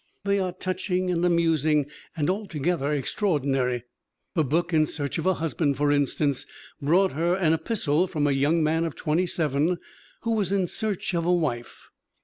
They are touching and amusing and altogether extraordinary. Her book In Search of a Husband, for instance, brought her an epistle from a young man of 27 who was in search of a wife.